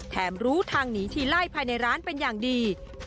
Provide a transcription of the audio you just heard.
รู้ทางหนีทีไล่ภายในร้านเป็นอย่างดี